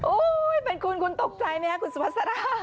อุ้ยเป็นคุณคุณตกใจไหมครับคุณสวัสดา